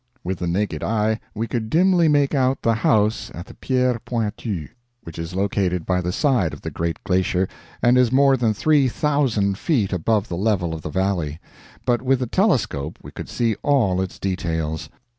With the naked eye we could dimly make out the house at the Pierre Pointue, which is located by the side of the great glacier, and is more than three thousand feet above the level of the valley; but with the telescope we could see all its details.